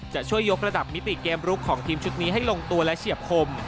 จะช่วยยกระดับมิติเกมลุกของทีมชุดนี้ให้ลงตัวและเฉียบคม